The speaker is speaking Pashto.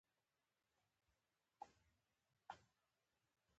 په دې پاڅون کې بزګرانو او کسبګرو ګډون وکړ.